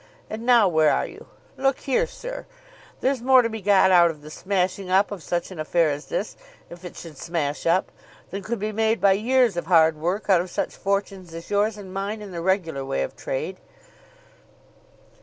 And now where are you? Look here, sir; there's more to be got out of the smashing up of such an affair as this, if it should smash up, than could be made by years of hard work out of such fortunes as yours and mine in the regular way of trade."